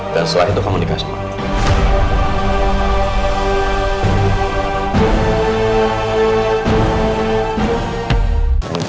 dan setelah itu kamu nikah sama aku